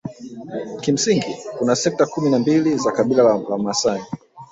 Kimsingi kuna sekta kumi na mbili za kabila la Wamasai